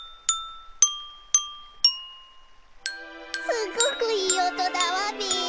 すごくいいおとだわべ！